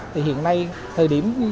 thì hiện nay thời điểm